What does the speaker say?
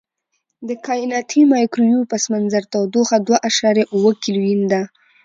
د کائناتي مایکروویو پس منظر تودوخه دوه اعشاریه اووه کیلوین ده.